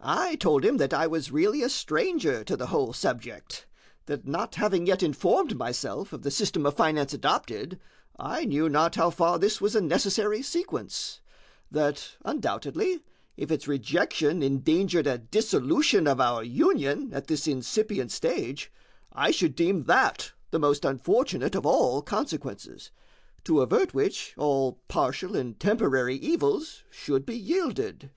I told him that I was really a stranger to the whole subject; that not having yet informed myself of the system of finance adopted, I knew not how far this was a necessary sequence; that undoubtedly, if its rejection endangered a dissolution of our Union at this incipient stage, I should deem that the most unfortunate of all consequences, to avert which all partial and temporary evils should be yielded.